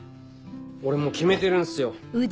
俺もう決めてるんすよ。